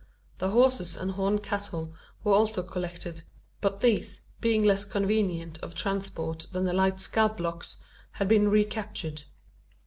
The horses and horned cattle were also collected; but these, being less convenient of transport than the light scalp locks, had been recaptured.